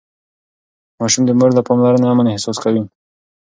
ماشوم د مور له پاملرنې امن احساس کوي.